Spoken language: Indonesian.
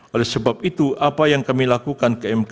oleh sebab itu apa yang kami lakukan ke mk